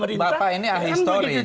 ini bapak ini ahistoris